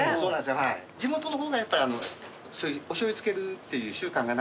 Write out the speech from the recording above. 地元の方がやっぱりおしょうゆ付けるっていう習慣が。